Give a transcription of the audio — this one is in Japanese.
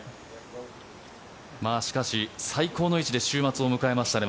しかし、最高の位置で週末を迎えましたね